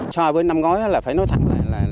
so với năm gói phải nói thẳng là càng gây gắt hơn